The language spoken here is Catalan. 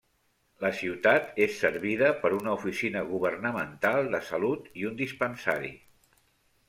La ciutat és servida per una oficina governamental de salut i un dispensari.